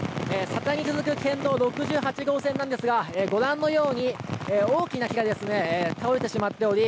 佐多に続く県道なんですがご覧のように大きな木が倒れてしまっており